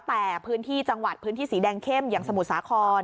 แต่พื้นที่จังหวัดพื้นที่สีแดงเข้มอย่างสมุทรสาคร